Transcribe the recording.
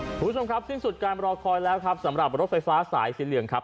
คุณผู้ชมครับสิ้นสุดการรอคอยแล้วครับสำหรับรถไฟฟ้าสายสีเหลืองครับ